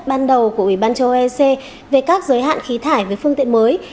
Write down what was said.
ban đầu của ủy ban châu âu ec về các giới hạn khí thải với phương tiện mới